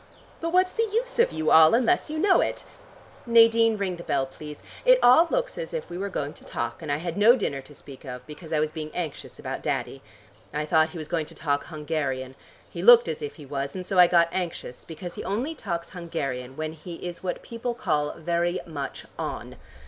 But what's the use of you all unless you know it? Nadine, ring the bell, please. It all looks as if we were going to talk, and I had no dinner to speak of, because I was being anxious about Daddy. I thought he was going to talk Hungarian; he looked as if he was, and so I got anxious, because he only talks Hungarian when he is what people call very much on.